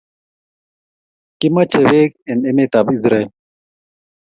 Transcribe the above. Kimache pek en emet ab israel